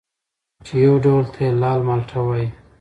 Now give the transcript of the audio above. چې یو ډول ته یې لال مالټه وايي